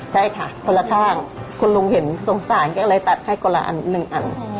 ใช่ค่ะคนละข้างคุณลุงเห็นสงสารก็เลยตัดให้คนละอันหนึ่งอัน